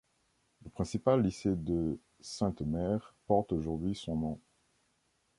Le principal lycée de Saint-Omer porte aujourd'hui son nom.